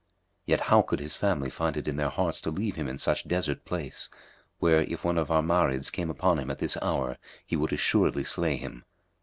Yet how could his family find it in their hearts to leave him in such desert place where, if one of our Márids came upon him at this hour, he would assuredly slay him."